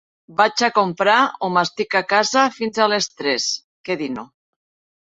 Vaig a comprar o m'estic a casa fins a les tres, que dino.